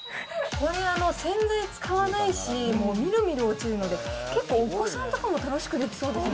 これ、洗剤も使わないし、もうみるみる落ちるので、結構お子さんとかも楽しくできそうですね。